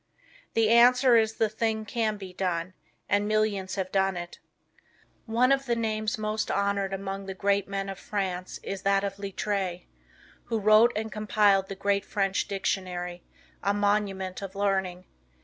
The answer is the thing can be done, and millions have done it. One of the names most honored among the great men of France is that of Littre, who wrote and compiled the great French dictionary a monument of learning.